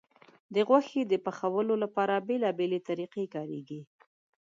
د غوښې پخولو لپاره بیلابیلې طریقې کارېږي.